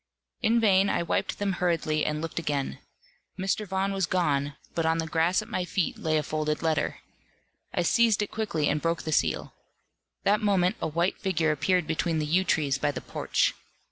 In vain I wiped them hurriedly and looked again. Mr. Vaughan was gone; but on the grass at my feet lay a folded letter. I seized it quickly, and broke the seal. That moment a white figure appeared between the yew trees by the porch.